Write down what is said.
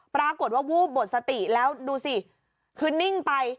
ปรากฏว่าวูบหมดสติแล้วดูสิคือนิ่งไป